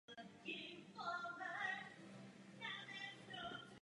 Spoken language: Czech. Dle Mezinárodního svazu ochrany přírody se jedná o ohrožený druh.